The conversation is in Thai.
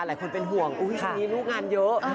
หลายคนเป็นห่วงปีนี้ลูกงานเยอะ